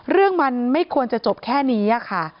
เรื่องมันไม่ควรจะจบแค่นี้ค่ะ